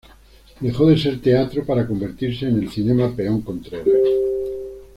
Dejó de ser "Teatro", para convertirse en el "Cinema Peón Contreras".